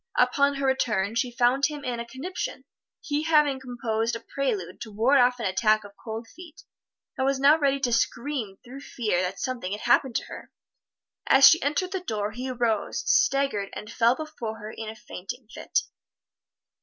Upon her return she found him in a conniption, he having composed a prelude to ward off an attack of cold feet, and was now ready to scream through fear that something had happened to her. As she entered the door he arose, staggered and fell before her in a fainting fit.